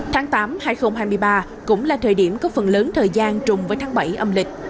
tháng tám hai nghìn hai mươi ba cũng là thời điểm có phần lớn thời gian trùng với tháng bảy âm lịch